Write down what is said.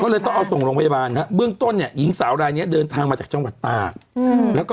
ก็เลยต้องเอาส่งลงพยาบาลน่ะเบื้องต้นเนี้ยหญิงสาวไรนี้เดินทางมาจาก